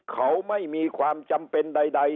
เขาไม่มีความจำเป็นใด